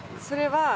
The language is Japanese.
それは？